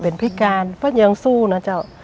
เป็นพิการเพราะอย่างสู้นะเจ้า